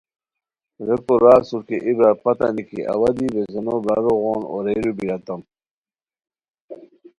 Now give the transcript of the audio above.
ریکو را اسور کی اے برار پتہ نیکی اوا دی ویزینو براروغون اوریرو بیریتام